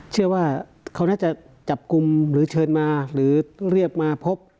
เชื่อว่าเขาน่าจะจับกลุ่มหรือเชิญมาหรือเรียกมาพบ